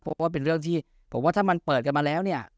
เพราะว่าเป็นเรื่องที่ผมว่าถ้ามันเปิดกันมาแล้วเนี่ย